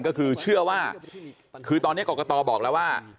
ก็คือเชื่อว่าคือตอนนี้กรกตบอกแล้วว่า